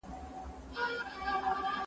وموږ تې سپكاوى